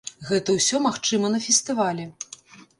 Гэта ўсё магчыма на фестывалі!